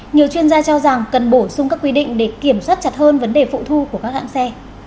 nhiều chuyên gia cho rằng cần bổ sung các quy định để kiểm soát chặt hơn vấn đề phụ thu của các hãng xe